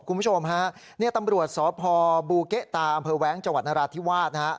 คุณผู้ชมฮะเนี่ยตำรวจสพบูเก๊ตาอแว้งจราศที่วาดนะครับ